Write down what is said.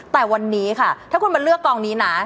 แต่วันนี้ค่ะถ้าคุณมาเลือกกองนี้นะ